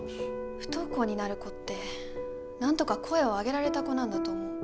不登校になる子ってなんとか声を上げられた子なんだと思う。